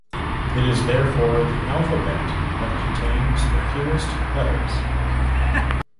It is therefore the alphabet that contains the fewest letters.